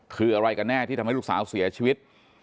คืออะไรกันแน่ที่ทำให้ลูกสาวเสียชีวิต